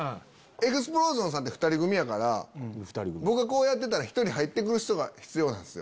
エグスプロージョンさんって２人組やから僕がこうやってたら１人入って来る人が必要なんすよ。